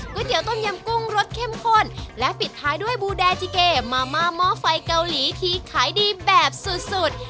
เตี๋ยต้มยำกุ้งรสเข้มข้นและปิดท้ายด้วยบูแดจิเกมาม่าหม้อไฟเกาหลีที่ขายดีแบบสุดสุด